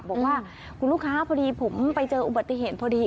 บอกว่าคุณลูกค้าพอดีผมไปเจออุบัติเหตุพอดี